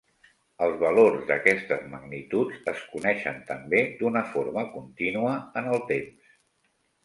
Els valors d'aquestes magnituds es coneixen també d'una forma contínua en el temps.